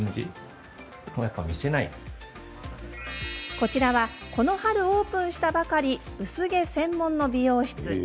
こちらは、この春オープンしたばかり薄毛専門の美容室。